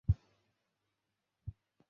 কি হয়েছে?